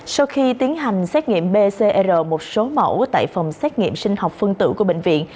sau khi tiến hành xét nghiệm pcr một số mẫu tại phòng xét nghiệm sinh học phân tử của bệnh viện